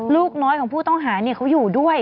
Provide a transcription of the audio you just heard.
ลูกน้อยของผู้ต้องหาเขาอยู่ด้วย